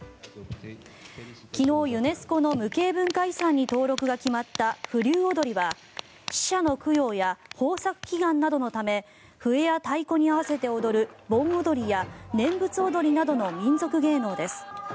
昨日ユネスコの無形文化遺産に登録が決まった風流踊は死者の供養や豊作祈願などのため笛や太鼓に合わせて踊る盆踊りや念仏踊りなどの民俗芸能です。